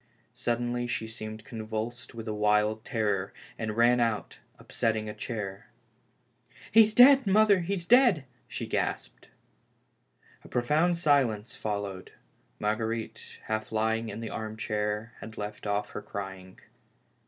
Suddenly she seemed convulsed with a wild terror, and ran out, upsetting a chair. " He is dead, mother, he is dead 1" she gasped. A profound silence followed. Marguerite, half lying in the arm chair, had left off crying.